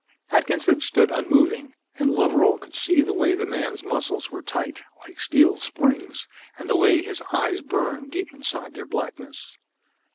Atkinson stood unmoving, and Loveral could see the way the man's muscles were tight, like steel springs, and the way his eyes burned deep inside their blackness.